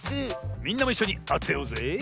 みんなもいっしょにあてようぜえ。